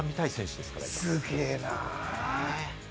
すげぇな！